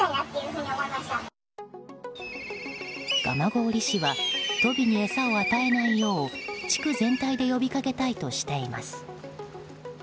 蒲郡市はトビに餌を与えないよう地区全体で呼びかけたいとしています。